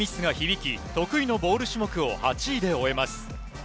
このミスが響き、得意のボール種目を８位で終えます。